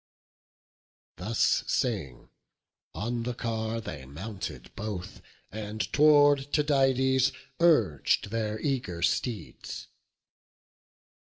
Thus saying, on the car they mounted both, And tow'rd Tydides urg'd their eager steeds.